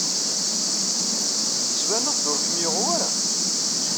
Tettbaned-d ur kem-yuɣ wara.